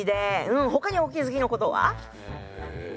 うん他にお気付きのことは？え。